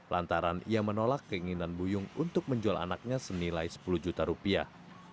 lantaran ia menolak keinginan buyung untuk menjual anaknya senilai sepuluh juta rupiah